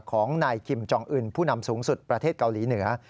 ของนายคิมจองอื่นผู้นำสูงสุดประเทศเกาหลีเหนือ